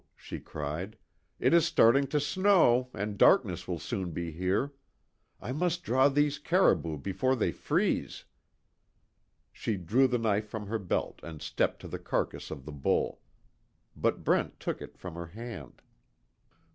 she cried, "It is starting to snow, and darkness will soon be here. I must draw these caribou, before they freeze." She drew the knife from her belt and stepped to the carcass of the bull. But Brent took it from her hand.